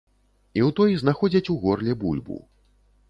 І ў той знаходзяць у горле бульбу.